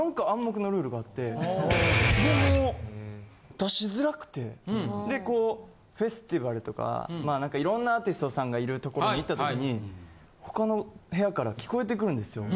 出しづらくてでこうフェスティバルとか何かいろんなアーティストさんがいる所に行ったときに他の部屋から聞こえてくるんですよ。